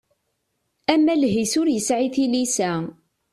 Amaleh-is ur yesɛi tilisa.